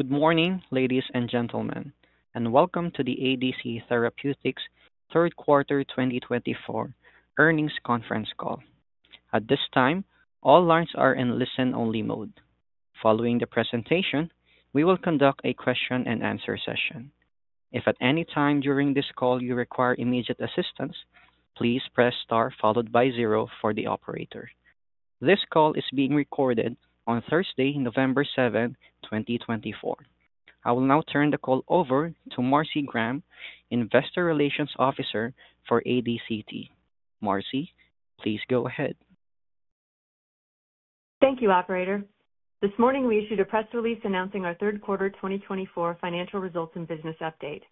Good morning, ladies and gentlemen, and welcome to the ADC Therapeutics third quarter 2024 earnings conference call. At this time, all lines are in listen-only mode. Following the presentation, we will conduct a question-and-answer session. If at any time during this call you require immediate assistance, please press star followed by zero for the operator. This call is being recorded on Thursday, November 7th, 2024. I will now turn the call over to Marcy Graham, Investor Relations Officer for ADCT. Marcy, please go ahead. Thank you, Operator. This morning we issued a press release announcing our third quarter 2024 financial results and business update.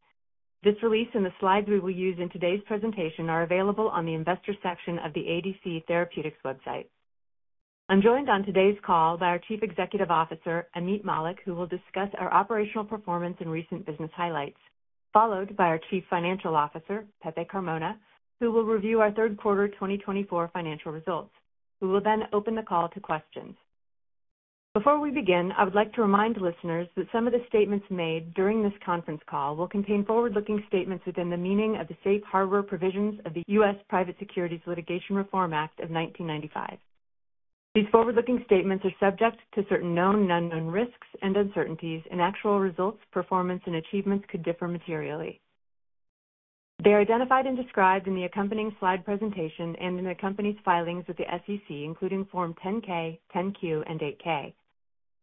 This release and the slides we will use in today's presentation are available on the Investor section of the ADC Therapeutics website. I'm joined on today's call by our Chief Executive Officer, Ameet Mallik, who will discuss our operational performance and recent business highlights, followed by our Chief Financial Officer, Pepe Carmona, who will review our third quarter 2024 financial results. We will then open the call to questions. Before we begin, I would like to remind listeners that some of the statements made during this conference call will contain forward-looking statements within the meaning of the safe harbor provisions of the U.S. Private Securities Litigation Reform Act of 1995. These forward-looking statements are subject to certain known and unknown risks and uncertainties, and actual results, performance, and achievements could differ materially. They are identified and described in the accompanying slide presentation and in the company's filings with the SEC, including Form 10-K, 10-Q, and 8-K.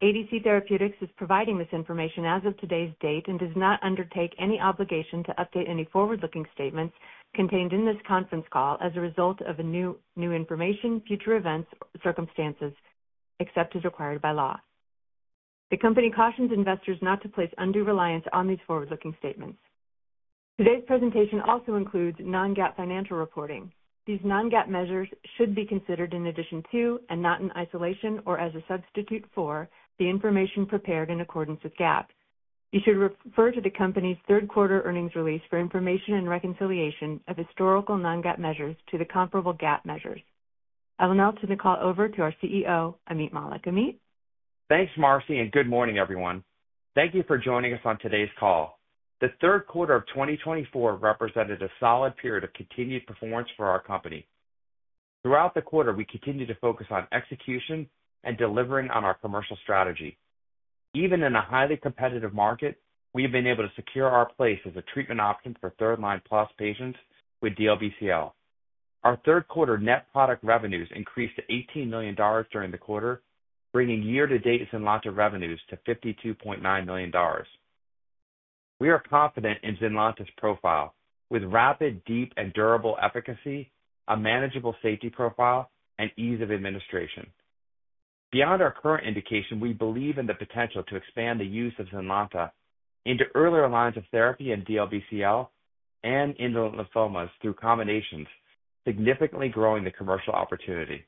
ADC Therapeutics is providing this information as of today's date and does not undertake any obligation to update any forward-looking statements contained in this conference call as a result of new information, future events, or circumstances, except as required by law. The company cautions investors not to place undue reliance on these forward-looking statements. Today's presentation also includes non-GAAP financial reporting. These non-GAAP measures should be considered in addition to, and not in isolation or as a substitute for, the information prepared in accordance with GAAP. You should refer to the company's third quarter earnings release for information and reconciliation of historical non-GAAP measures to the comparable GAAP measures. I will now turn the call over to our CEO, Ameet Mallik. Ameet. Thanks, Marcy, and good morning, everyone. Thank you for joining us on today's call. The third quarter of 2024 represented a solid period of continued performance for our company. Throughout the quarter, we continued to focus on execution and delivering on our commercial strategy. Even in a highly competitive market, we have been able to secure our place as a treatment option for third-line plus patients with DLBCL. Our third quarter net product revenues increased to $18 million during the quarter, bringing year-to-date ZYNLONTA revenues to $52.9 million. We are confident in ZYNLONTA's profile, with rapid, deep, and durable efficacy, a manageable safety profile, and ease of administration. Beyond our current indication, we believe in the potential to expand the use of ZYNLONTA into earlier lines of therapy in DLBCL and in the lymphomas through combinations, significantly growing the commercial opportunity.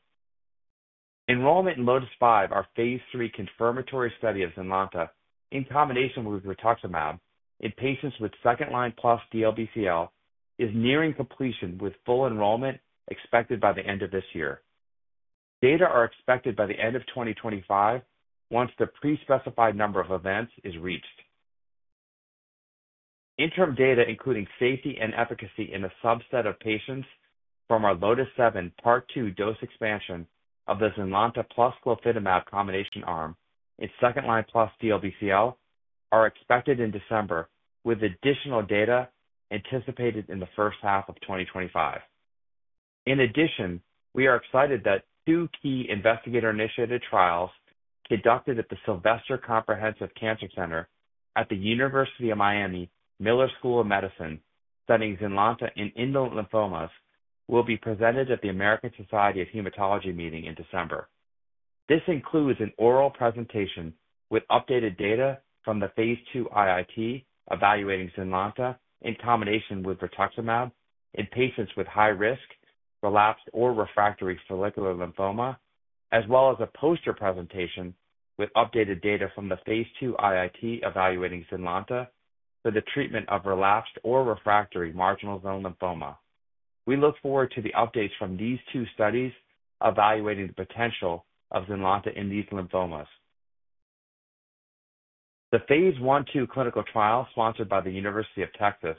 Enrollment in LOTIS-5, our phase III confirmatory study of ZYNLONTA in combination with rituximab in patients with second-line plus DLBCL, is nearing completion with full enrollment expected by the end of this year. Data are expected by the end of 2025 once the pre-specified number of events is reached. Interim data, including safety and efficacy in a subset of patients from our LOTIS-7 Part 2 dose expansion of the ZYNLONTA plus glofitamab combination arm in second-line plus DLBCL, are expected in December, with additional data anticipated in the first half of 2025. In addition, we are excited that two key investigator-initiated trials conducted at the Sylvester Comprehensive Cancer Center at the University of Miami Miller School of Medicine studying ZYNLONTA in indolent lymphomas will be presented at the American Society of Hematology meeting in December. This includes an oral presentation with updated data from the phase II IIT evaluating ZYNLONTA in combination with rituximab in patients with high-risk, relapsed, or refractory follicular lymphoma, as well as a poster presentation with updated data from the phase II IIT evaluating ZYNLONTA for the treatment of relapsed or refractory marginal zone lymphoma. We look forward to the updates from these two studies evaluating the potential of ZYNLONTA in these lymphomas. The phase I-II clinical trial sponsored by the University of Texas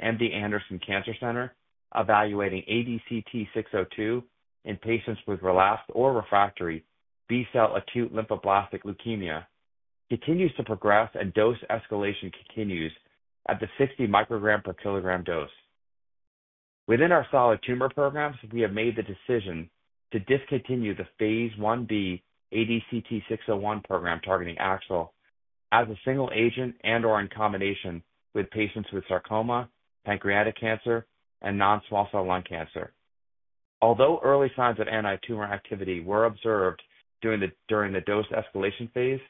MD Anderson Cancer Center evaluating ADCT-602 in patients with relapsed or refractory B-cell acute lymphoblastic leukemia continues to progress, and dose escalation continues at the 60 µg/kg dose. Within our solid tumor programs, we have made the decision to discontinue the phase Ib ADCT-601 program targeting AXL as a single agent and/or in combination in patients with sarcoma, pancreatic cancer, and non-small cell lung cancer. Although early signs of antitumor activity were observed during the dose escalation phase,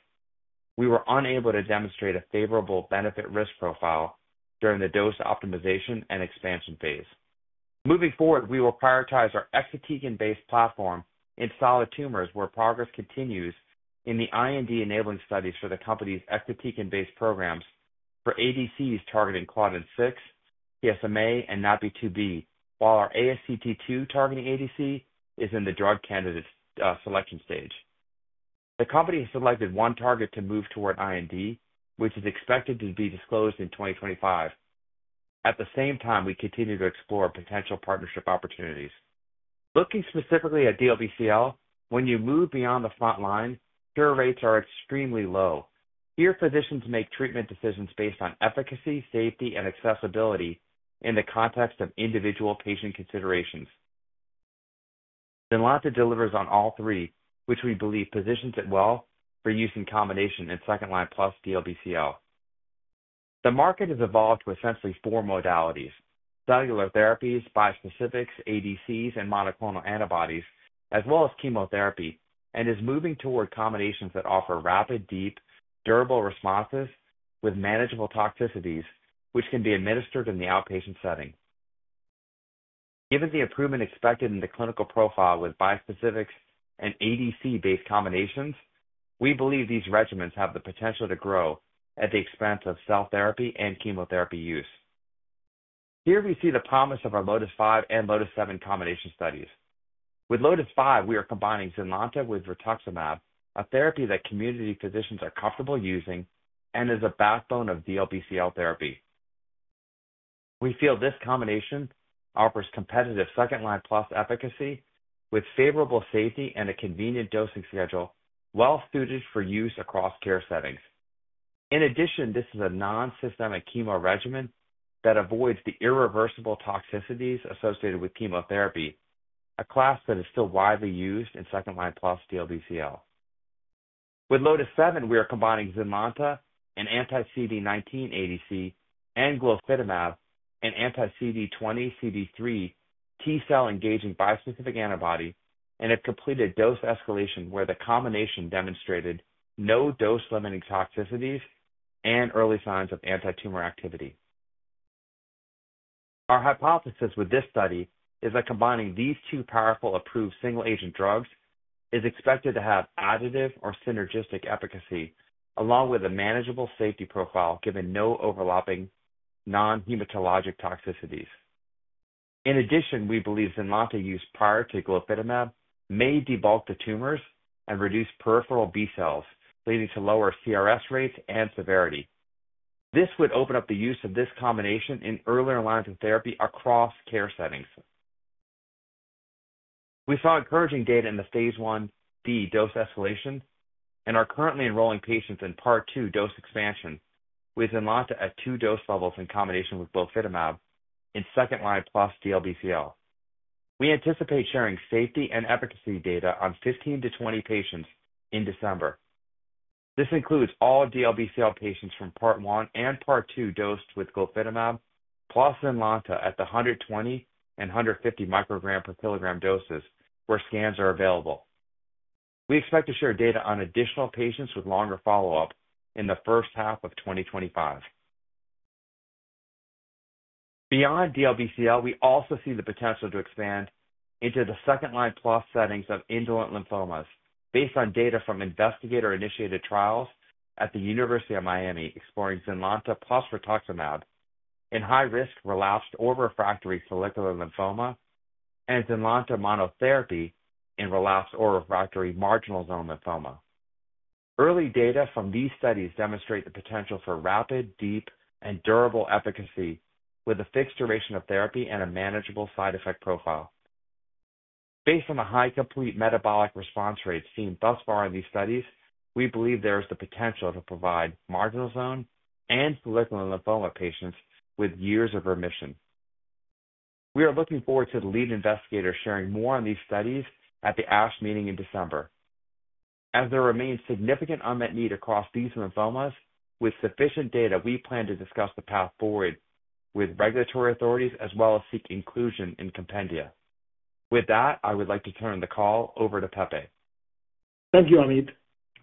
we were unable to demonstrate a favorable benefit-risk profile during the dose optimization and expansion phase. Moving forward, we will prioritize our exatecan-based platform in solid tumors where progress continues in the IND-enabling studies for the company's exatecan-based programs for ADCs targeting Claudin-6, PSMA, and NaPi2b, while our ASCT2 targeting ADC is in the drug candidate selection stage. The company has selected one target to move toward IND, which is expected to be disclosed in 2025. At the same time, we continue to explore potential partnership opportunities. Looking specifically at DLBCL, when you move beyond the front line, cure rates are extremely low. Here, physicians make treatment decisions based on efficacy, safety, and accessibility in the context of individual patient considerations. ZYNLONTA delivers on all three, which we believe positions it well for use in combination in second-line plus DLBCL. The market has evolved to essentially four modalities: cellular therapies, bispecifics, ADCs, and monoclonal antibodies, as well as chemotherapy, and is moving toward combinations that offer rapid, deep, durable responses with manageable toxicities, which can be administered in the outpatient setting. Given the improvement expected in the clinical profile with bispecifics and ADC-based combinations, we believe these regimens have the potential to grow at the expense of cell therapy and chemotherapy use. Here we see the promise of our LOTIS-5 and LOTIS-7 combination studies. With LOTIS-5, we are combining ZYNLONTA with rituximab, a therapy that community physicians are comfortable using and is a backbone of DLBCL therapy. We feel this combination offers competitive second-line plus efficacy with favorable safety and a convenient dosing schedule well-suited for use across care settings. In addition, this is a non-systemic chemo regimen that avoids the irreversible toxicities associated with chemotherapy, a class that is still widely used in second-line plus DLBCL. With LOTIS-7, we are combining ZYNLONTA, an anti-CD19 ADC, and glofitamab, an anti-CD20, CD3 T-cell engaging bispecific antibody and have completed dose escalation where the combination demonstrated no dose-limiting toxicities and early signs of antitumor activity. Our hypothesis with this study is that combining these two powerful approved single-agent drugs is expected to have additive or synergistic efficacy, along with a manageable safety profile given no overlapping non-hematologic toxicities. In addition, we believe ZYNLONTA used prior to glofitamab may debulk the tumors and reduce peripheral B-cells, leading to lower CRS rates and severity. This would open up the use of this combination in earlier lines of therapy across care settings. We saw encouraging data in the phase Ib dose escalation and are currently enrolling patients in Part II dose expansion with ZYNLONTA at two dose levels in combination with glofitamab in second-line plus DLBCL. We anticipate sharing safety and efficacy data on 15-20 patients in December. This includes all DLBCL patients from Part I and Part II dosed with glofitamab plus ZYNLONTA at the 120 and 150 µg/kg doses where scans are available. We expect to share data on additional patients with longer follow-up in the first half of 2025. Beyond DLBCL, we also see the potential to expand into the second-line plus settings of indolent lymphomas based on data from investigator-initiated trials at the University of Miami exploring ZYNLONTA plus rituximab in high-risk, relapsed, or refractory follicular lymphoma and ZYNLONTA monotherapy in relapsed or refractory marginal zone lymphoma. Early data from these studies demonstrate the potential for rapid, deep, and durable efficacy with a fixed duration of therapy and a manageable side effect profile. Based on the high complete metabolic response rates seen thus far in these studies, we believe there is the potential to provide marginal zone and follicular lymphoma patients with years of remission. We are looking forward to the lead investigators sharing more on these studies at the ASH meeting in December. As there remains significant unmet need across these lymphomas with sufficient data, we plan to discuss the path forward with regulatory authorities as well as seek inclusion in compendia. With that, I would like to turn the call over to Pepe. Thank you, Ameet.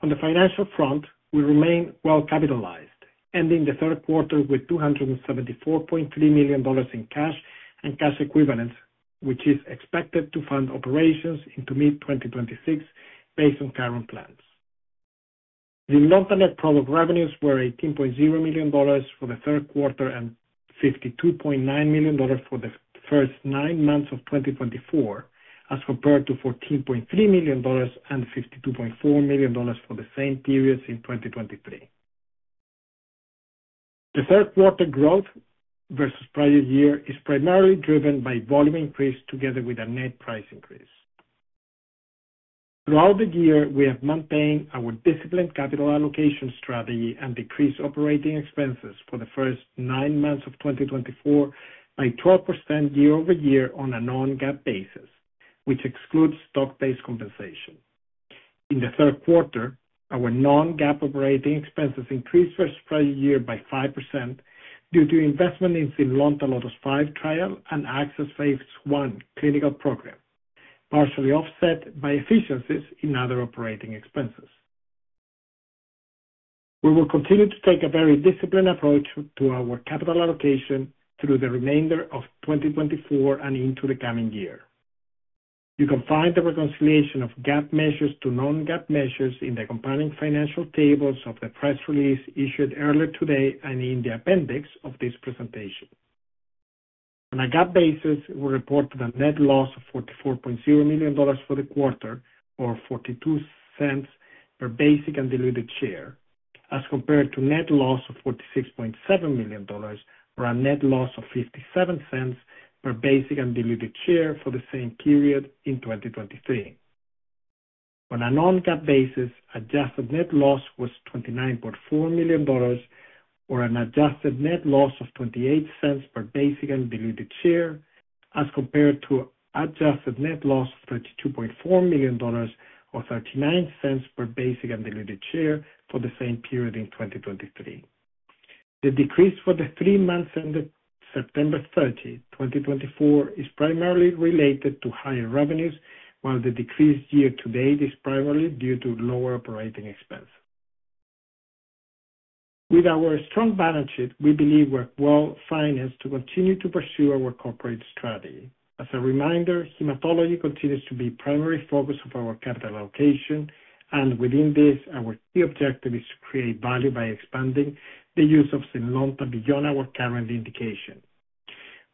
On the financial front, we remain well capitalized, ending the third quarter with $274.3 million in cash and cash equivalents, which is expected to fund operations into mid-2026 based on current plans. ZYNLONTA net product revenues were $18.0 million for the third quarter and $52.9 million for the first nine months of 2024, as compared to $14.3 million and $52.4 million for the same periods in 2023. The third quarter growth versus prior year is primarily driven by volume increase together with a net price increase. Throughout the year, we have maintained our disciplined capital allocation strategy and decreased operating expenses for the first nine months of 2024 by 12% year-over-year on a non-GAAP basis, which excludes stock-based compensation. In the third quarter, our non-GAAP operating expenses increased versus prior year by 5% due to investment in ZYNLONTA LOTIS-5 trial and AXL phase I clinical program, partially offset by efficiencies in other operating expenses. We will continue to take a very disciplined approach to our capital allocation through the remainder of 2024 and into the coming year. You can find the reconciliation of GAAP measures to non-GAAP measures in the accompanying financial tables of the press release issued earlier today and in the appendix of this presentation. On a GAAP basis, we reported a net loss of $44.0 million for the quarter, or $0.42 per basic and diluted share, as compared to net loss of $46.7 million or a net loss of $0.57 per basic and diluted share for the same period in 2023. On a non-GAAP basis, adjusted net loss was $29.4 million, or an adjusted net loss of $0.28 per basic and diluted share, as compared to adjusted net loss of $32.4 million, or $0.39 per basic and diluted share for the same period in 2023. The decrease for the three months ended September 30, 2024, is primarily related to higher revenues, while the decrease year-to-date is primarily due to lower operating expense. With our strong balance sheet, we believe we're well-financed to continue to pursue our corporate strategy. As a reminder, hematology continues to be the primary focus of our capital allocation, and within this, our key objective is to create value by expanding the use of ZYNLONTA beyond our current indication.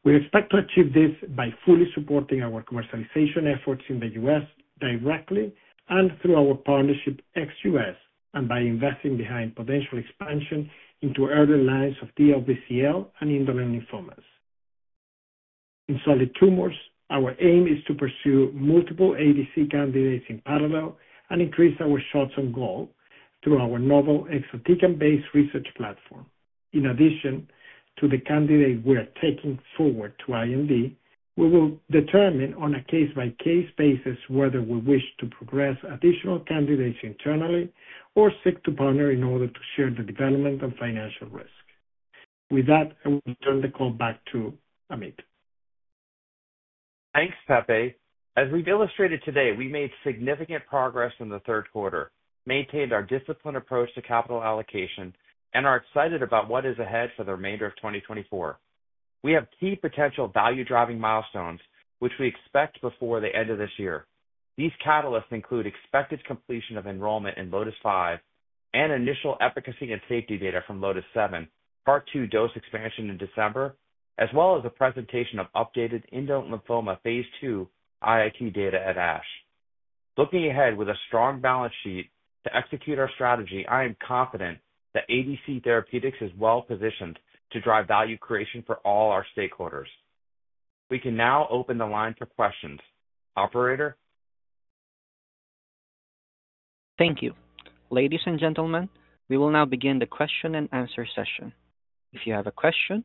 We expect to achieve this by fully supporting our commercialization efforts in the U.S. directly and through our partnership ex-U.S., and by investing behind potential expansion into earlier lines of DLBCL and indolent lymphomas. In solid tumors, our aim is to pursue multiple ADC candidates in parallel and increase our shots on goal through our novel exatecan-based research platform. In addition to the candidate we are taking forward to IND, we will determine on a case-by-case basis whether we wish to progress additional candidates internally or seek to partner in order to share the development and financial risk. With that, I will turn the call back to Ameet. Thanks, Pepe. As we've illustrated today, we made significant progress in the third quarter, maintained our disciplined approach to capital allocation, and are excited about what is ahead for the remainder of 2024. We have key potential value-driving milestones, which we expect before the end of this year. These catalysts include expected completion of enrollment in LOTIS-5 and initial efficacy and safety data from LOTIS-7, Part II dose expansion in December, as well as the presentation of updated indolent lymphoma phase II IIT data at ASH. Looking ahead with a strong balance sheet to execute our strategy, I am confident that ADC Therapeutics is well-positioned to drive value creation for all our stakeholders. We can now open the line for questions. Operator? Thank you. Ladies and gentlemen, we will now begin the question-and-answer session. If you have a question,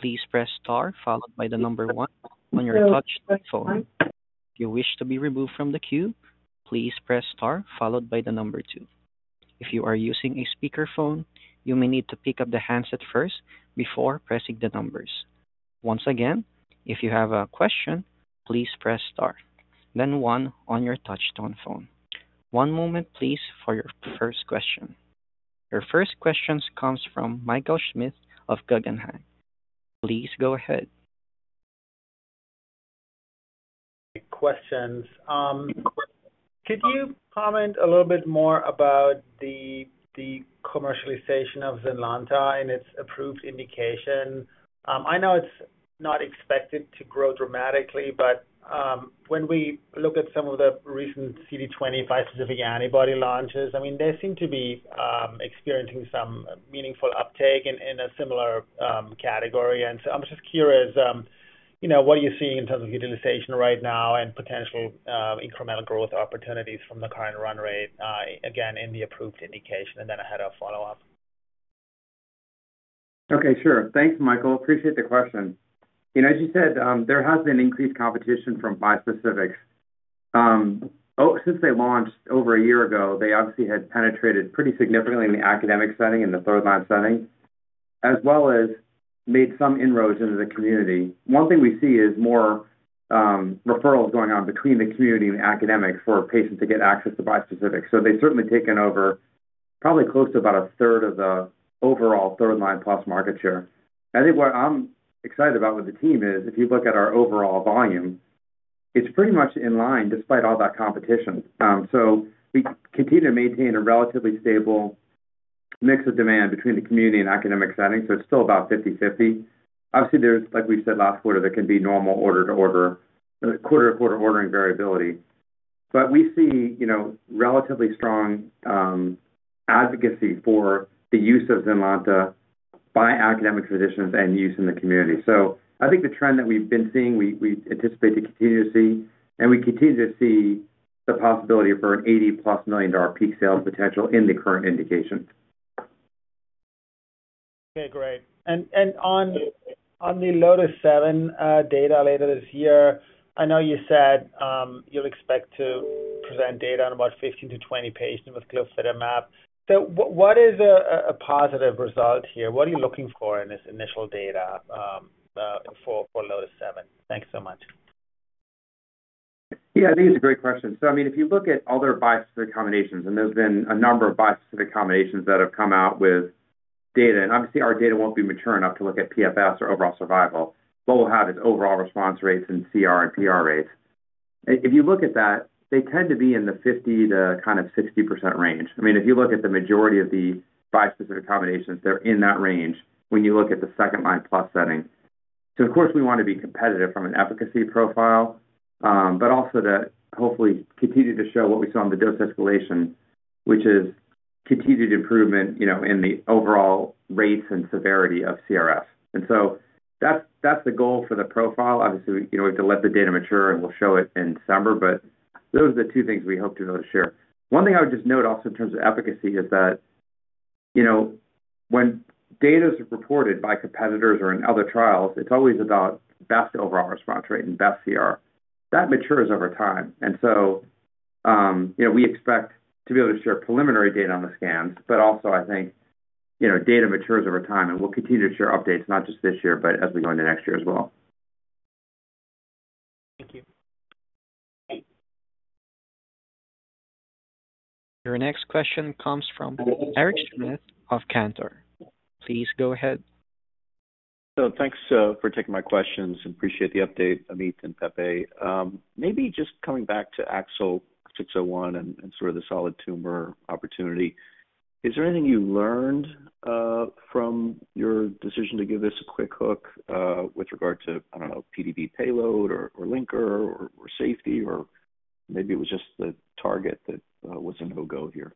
please press star followed by the number one on your touch-tone phone. If you wish to be removed from the queue, please press star followed by the number two. If you are using a speakerphone, you may need to pick up the handset first before pressing the numbers. Once again, if you have a question, please press star, then one on your touch-tone phone. One moment, please, for your first question. Your first question comes from Michael Schmidt of Guggenheim. Please go ahead. Questions. Could you comment a little bit more about the commercialization of ZYNLONTA and its approved indication? I know it's not expected to grow dramatically, but when we look at some of the recent CD20 bispecific antibody launches, I mean, they seem to be experiencing some meaningful uptake in a similar category. And so I'm just curious, what are you seeing in terms of utilization right now and potential incremental growth opportunities from the current run rate, again, in the approved indication? And then I had a follow-up. Okay, sure. Thanks, Michael. Appreciate the question. As you said, there has been increased competition from bispecifics. Since they launched over a year ago, they obviously had penetrated pretty significantly in the academic setting and the third-line setting, as well as made some inroads into the community. One thing we see is more referrals going on between the community and academics for patients to get access to bispecifics. So they've certainly taken over probably close to about a third of the overall third-line plus market share. I think what I'm excited about with the team is if you look at our overall volume, it's pretty much in line despite all that competition. So we continue to maintain a relatively stable mix of demand between the community and academic settings, so it's still about 50/50. Obviously, there's, like we've said last quarter, there can be normal order-to-order, quarter-to-quarter ordering variability. But we see relatively strong advocacy for the use of ZYNLONTA by academic physicians and use in the community. So I think the trend that we've been seeing, we anticipate to continue to see, and we continue to see the possibility for an $80+ million peak sales potential in the current indication. Okay, great. And on the LOTIS-7 data later this year, I know you said you'll expect to present data on about 15-20 patients with glofitamab. So what is a positive result here? What are you looking for in this initial data for LOTIS-7? Thanks so much. Yeah, I think it's a great question. So I mean, if you look at other bispecific combinations, and there's been a number of bispecific combinations that have come out with data, and obviously, our data won't be mature enough to look at PFS or overall survival. What we'll have is overall response rates and CR and PR rates. If you look at that, they tend to be in the 50% to kind of 60% range. I mean, if you look at the majority of the bispecific combinations, they're in that range when you look at the second-line plus setting. So of course, we want to be competitive from an efficacy profile, but also to hopefully continue to show what we saw in the dose escalation, which is continued improvement in the overall rates and severity of CRS. And so that's the goal for the profile. Obviously, we have to let the data mature, and we'll show it in December, but those are the two things we hope to be able to share. One thing I would just note also in terms of efficacy is that when data is reported by competitors or in other trials, it's always about best overall response rate and best CR. That matures over time. And so we expect to be able to share preliminary data on the scans, but also, I think data matures over time, and we'll continue to share updates not just this year, but as we go into next year as well. Thank you. Your next question comes from Eric Schmidt of Cantor. Please go ahead. So thanks for taking my questions. Appreciate the update, Ameet and Pepe. Maybe just coming back to AXL, 601 and sort of the solid tumor opportunity, is there anything you learned from your decision to give this a quick hook with regard to, I don't know, PBD payload or linker or safety, or maybe it was just the target that was a no-go here?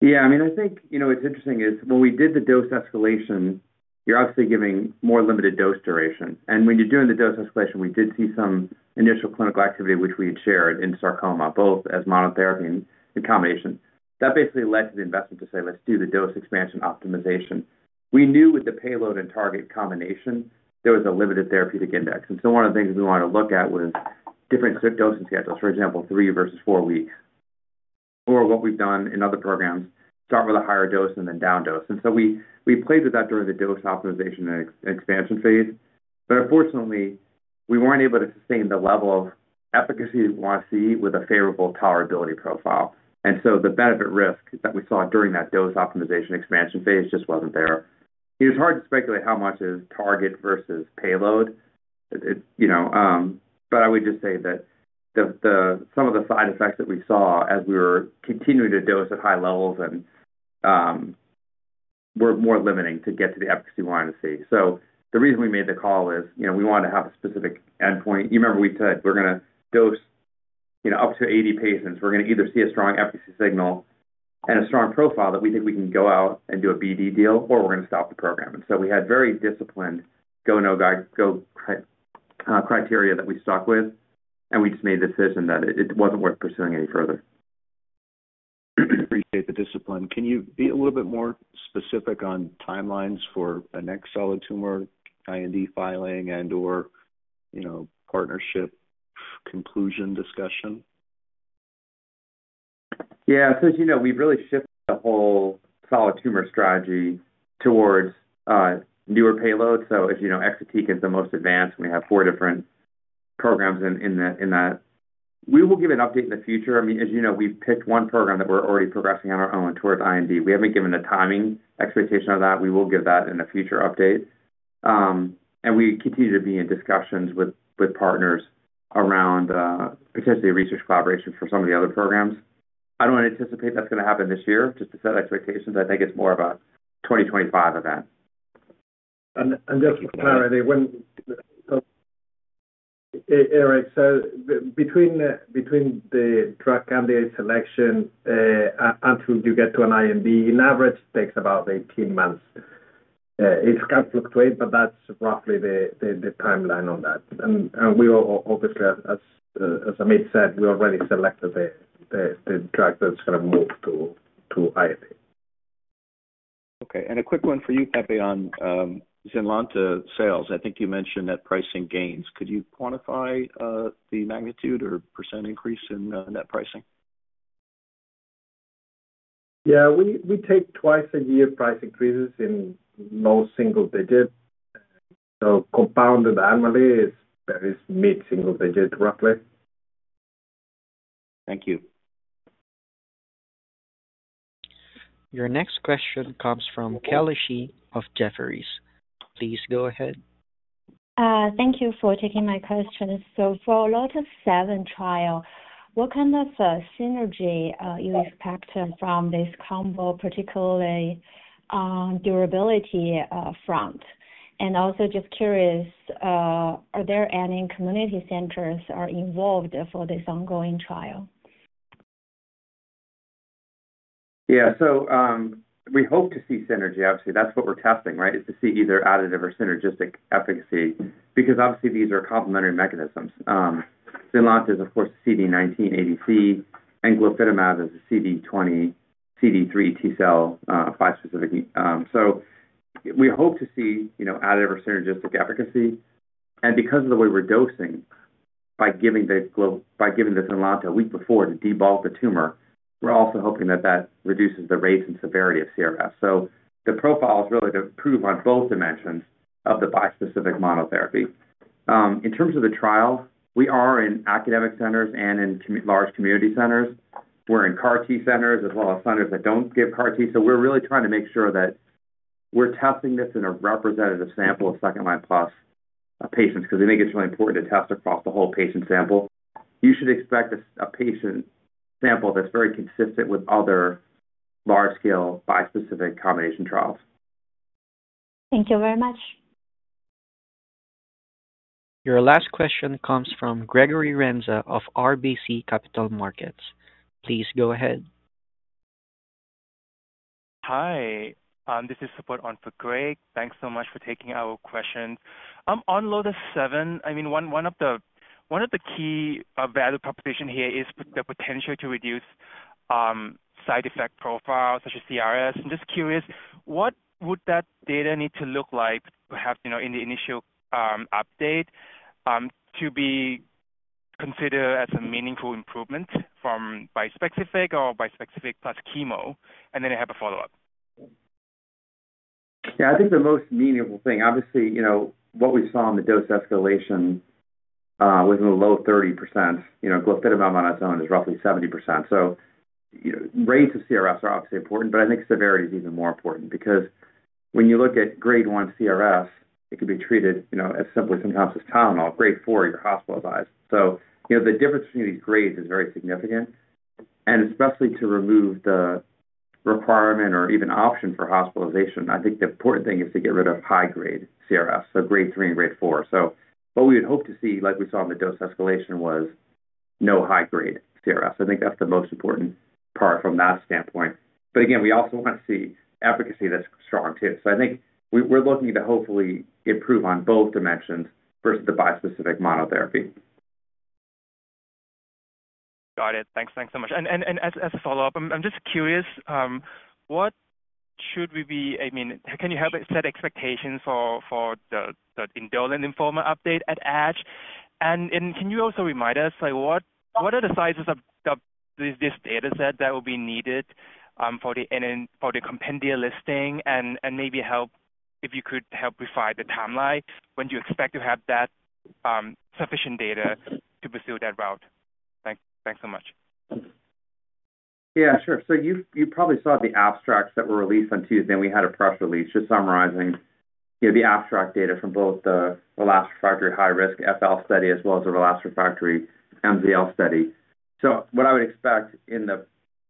Yeah, I mean, I think it's interesting is when we did the dose escalation, you're obviously giving more limited dose duration. And when you're doing the dose escalation, we did see some initial clinical activity, which we had shared in sarcoma, both as monotherapy and in combination. That basically led to the investment to say, "Let's do the dose expansion optimization." We knew with the payload and target combination, there was a limited therapeutic index. And so one of the things we wanted to look at was different dosing schedules, for example, three versus four weeks, or what we've done in other programs, start with a higher dose and then down dose. And so we played with that during the dose optimization and expansion phase, but unfortunately, we weren't able to sustain the level of efficacy we want to see with a favorable tolerability profile. And so the benefit-risk that we saw during that dose optimization expansion phase just wasn't there. It was hard to speculate how much is target versus payload, but I would just say that some of the side effects that we saw as we were continuing to dose at high levels were more limiting to get to the efficacy we wanted to see. So the reason we made the call is we wanted to have a specific endpoint. You remember we said we're going to dose up to 80 patients. We're going to either see a strong efficacy signal and a strong profile that we think we can go out and do a BD deal, or we're going to stop the program. And so we had very disciplined go/no-criteria that we stuck with, and we just made the decision that it wasn't worth pursuing any further. I appreciate the discipline. Can you be a little bit more specific on timelines for a next solid tumor IND filing and/or partnership conclusion discussion? Yeah, because we've really shifted the whole solid tumor strategy towards newer payloads, so as you know, exatecan is the most advanced, and we have four different programs in that. We will give an update in the future. I mean, as you know, we've picked one program that we're already progressing on our own toward IND. We haven't given a timing expectation of that. We will give that in a future update, and we continue to be in discussions with partners around potentially research collaboration for some of the other programs. I don't anticipate that's going to happen this year, just to set expectations. I think it's more of a 2025 event. I'm just comparing to Eric, so between the drug candidate selection until you get to an IND, on average, it takes about 18 months. It can fluctuate, but that's roughly the timeline on that. And obviously, as Ameet said, we already selected the drug that's going to move to IND. Okay. And a quick one for you, Pepe, on ZYNLONTA sales. I think you mentioned net pricing gains. Could you quantify the magnitude or % increase in net pricing? Yeah, we take twice-a-year price increases in low single-digit. So compounded annually is very mid-single-digit, roughly. Thank you. Your next question comes from Kelly Shi of Jefferies. Please go ahead. Thank you for taking my question. So for LOTIS-7 trial, what kind of synergy do you expect from this combo, particularly on durability front? And also, just curious, are there any community centers involved for this ongoing trial? Yeah, so we hope to see synergy, obviously. That's what we're testing, right? It's to see either additive or synergistic efficacy because obviously, these are complementary mechanisms. ZYNLONTA is, of course, CD19 ADC, and glofitamab is a CD20, CD3 T-cell bispecific. So we hope to see additive or synergistic efficacy. And because of the way we're dosing, by giving the ZYNLONTA a week before to debulk the tumor, we're also hoping that that reduces the rates and severity of CRS. So the profile is really to prove on both dimensions of the bispecific monotherapy. In terms of the trial, we are in academic centers and in large community centers. We're in CAR-T centers as well as centers that don't give CAR-T. We're really trying to make sure that we're testing this in a representative sample of second-line plus patients because we think it's really important to test across the whole patient sample. You should expect a patient sample that's very consistent with other large-scale bispecific combination trials. Thank you very much. Your last question comes from Gregory Renza of RBC Capital Markets. Please go ahead. Hi, this is Connor on for Greg. Thanks so much for taking our questions. On LOTIS-7, I mean, one of the key value propositions here is the potential to reduce side effect profile such as CRS. I'm just curious, what would that data need to look like in the initial update to be considered as a meaningful improvement from bispecific or bispecific plus chemo? And then I have a follow-up. Yeah, I think the most meaningful thing, obviously, what we saw in the dose escalation was in the low 30%. Glofitamab on its own is roughly 70%. So rates of CRS are obviously important, but I think severity is even more important because when you look at grade 1 CRS, it could be treated as simply sometimes as Tylenol. Grade 4, you're hospitalized. So the difference between these grades is very significant. And especially to remove the requirement or even option for hospitalization, I think the important thing is to get rid of high-grade CRS, so grade 3 and grade 4. So what we would hope to see, like we saw in the dose escalation, was no high-grade CRS. I think that's the most important part from that standpoint. But again, we also want to see efficacy that's strong too. I think we're looking to hopefully improve on both dimensions versus the bispecific monotherapy. Got it. Thanks so much, and as a follow-up, I'm just curious, what should we be, I mean, can you help us set expectations for the indolent interim update at ASH? And can you also remind us what are the sizes of this data set that will be needed for the compendia listing? And maybe if you could help refine the timeline, when do you expect to have that sufficient data to pursue that route? Thanks so much. Yeah, sure. So you probably saw the abstracts that were released on Tuesday. We had a press release just summarizing the abstract data from both the relapsed refractory high-risk FL study as well as the relapsed refractory MZL study. So what I would expect in the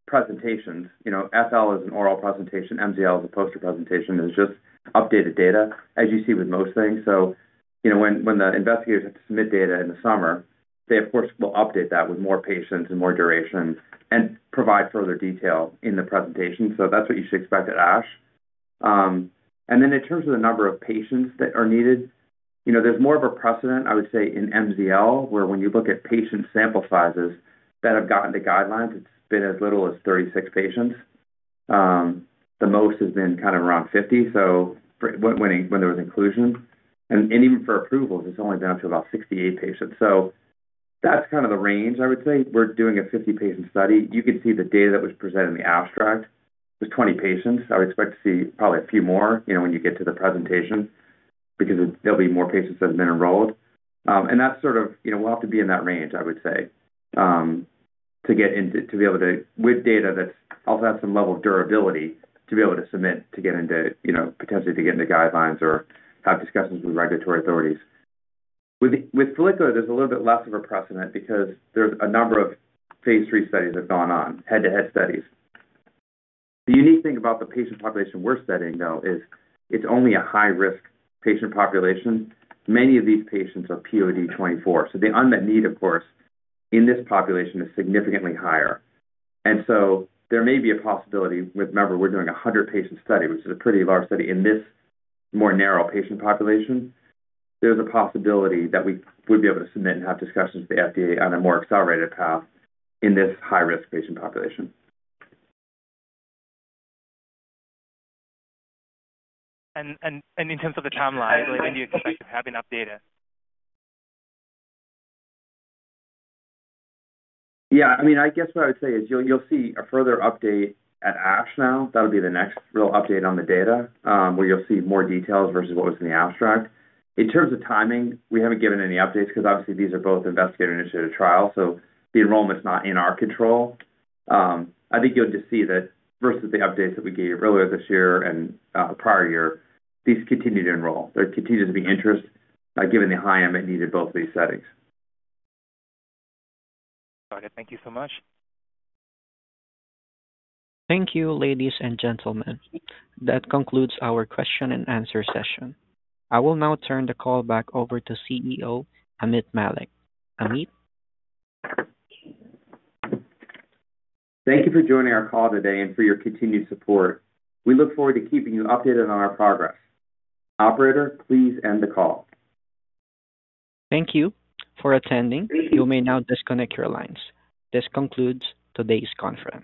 presentations, FL is an oral presentation. MZL is a poster presentation. It's just updated data, as you see with most things. So when the investigators have to submit data in the summer, they, of course, will update that with more patients and more duration and provide further detail in the presentation. So that's what you should expect at ASH. And then in terms of the number of patients that are needed, there's more of a precedent, I would say, in MZL, where when you look at patient sample sizes that have gotten to guidelines, it's been as little as 36 patients. The most has been kind of around 50, so when there was inclusion, and even for approvals, it's only been up to about 68 patients, so that's kind of the range, I would say. We're doing a 50-patient study. You can see the data that was presented in the abstract was 20 patients. I would expect to see probably a few more when you get to the presentation because there'll be more patients that have been enrolled, and that's sort of we'll have to be in that range, I would say, to be able to with data that's also had some level of durability to be able to submit to get into potentially to get into guidelines or have discussions with regulatory authorities. With follicular, there's a little bit less of a precedent because there's a number of phase III studies that have gone on, head-to-head studies. The unique thing about the patient population we're studying, though, is it's only a high-risk patient population. Many of these patients are POD24. So the unmet need, of course, in this population is significantly higher. And so there may be a possibility with, remember, we're doing a 100-patient study, which is a pretty large study in this more narrow patient population. There's a possibility that we would be able to submit and have discussions with the FDA on a more accelerated path in this high-risk patient population. In terms of the timeline, when do you expect to have enough data? Yeah, I mean, I guess what I would say is you'll see a further update at ASH now. That'll be the next real update on the data where you'll see more details versus what was in the abstract. In terms of timing, we haven't given any updates because obviously, these are both investigator-initiated trials, so the enrollment's not in our control. I think you'll just see that versus the updates that we gave earlier this year and prior year, these continue to enroll. There continues to be interest given the high unmet need in both of these settings. Got it. Thank you so much. Thank you, ladies and gentlemen. That concludes our question-and-answer session. I will now turn the call back over to CEO Ameet Mallik. Ameet? Thank you for joining our call today and for your continued support. We look forward to keeping you updated on our progress. Operator, please end the call. Thank you for attending. You may now disconnect your lines. This concludes today's conference.